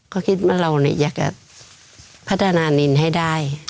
ก็คิดว่าเราอยากจะพัฒนานินให้ได้